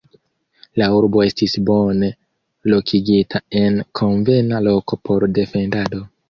La urbo estis bone lokigita en konvena loko por defendado.